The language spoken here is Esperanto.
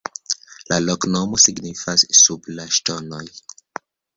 La loknomo signifas: "sub la ŝtonoj".